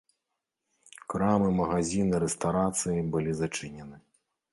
Крамы, магазіны, рэстарацыі былі зачынены.